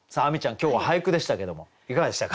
今日は俳句でしたけどもいかがでしたか？